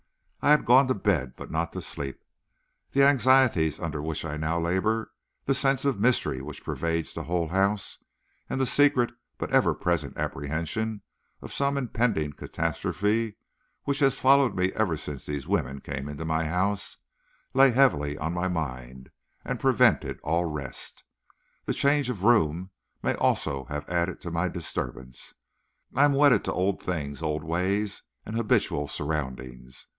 I had gone to bed, but not to sleep. The anxieties under which I now labor, the sense of mystery which pervades the whole house, and the secret but ever present apprehension of some impending catastrophe, which has followed me ever since these women came into the house, lay heavily on my mind, and prevented all rest. The change of room may also have added to my disturbance. I am wedded to old things, old ways, and habitual surroundings.